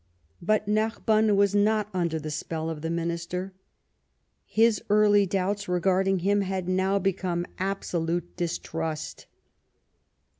But Narbonne was not under the spell of the minister. Flis early doubts regarding him had now become absolute distrust.